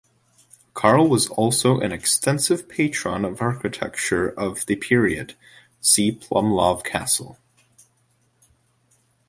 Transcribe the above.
Karl was also an extensive patron of architecture of the period, see Plumlov Castle.